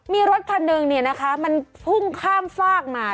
มีรถคันหนึ่งเนี่ยนะคะมันพุ่งข้ามฟากมา